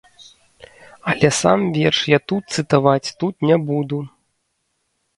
Але сам верш я тут цытаваць тут не буду.